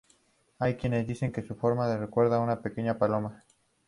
Hay quienes dicen que su forma les recuerda a una pequeña paloma.